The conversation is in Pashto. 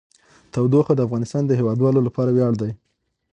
تودوخه د افغانستان د هیوادوالو لپاره ویاړ دی.